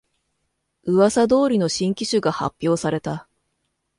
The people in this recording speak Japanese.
うわさ通りの新機種が発表された